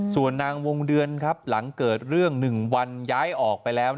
ส่วนนางวงเดือนครับหลังเกิดเรื่อง๑วันย้ายออกไปแล้ว